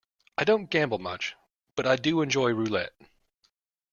I don't gamble much, but I do enjoy roulette.